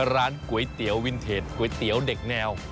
ร้านก๋วยเตี๋ยววินเทจก๋วยเตี๋ยวเด็กแนว